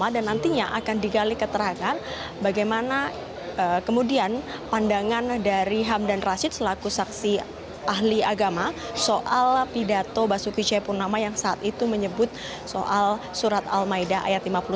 dan nantinya akan digali keterangan bagaimana kemudian pandangan dari hamdan rashid selaku saksi ahli agama soal pidato basuki cepurnama yang saat itu menyebut soal surat al maida ayat lima puluh satu